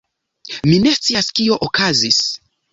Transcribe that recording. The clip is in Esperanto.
Mi ne scias kio okazis